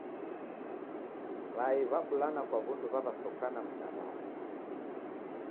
W'ai w'abulana kwa w'undu w'aw'asokana mdaw'ana